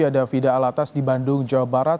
ada fida alatas di bandung jawa barat